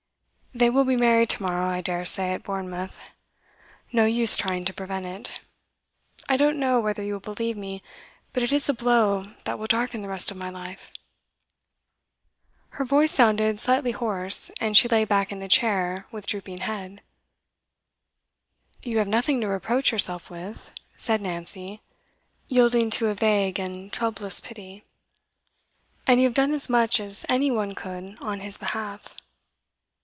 'They will be married to morrow, I dare say, at Bournemouth no use trying to prevent it. I don't know whether you will believe me, but it is a blow that will darken the rest of my life.' Her voice sounded slightly hoarse, and she lay back in the chair, with drooping head. 'You have nothing to reproach yourself with,' said Nancy, yielding to a vague and troublous pity. 'And you have done as much as any one could on his behalf.